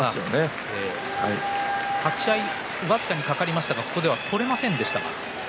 立ち合い僅かに掛かりましたがここでは取れませんでした。